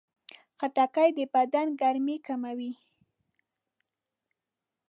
خټکی د بدن ګرمي کموي.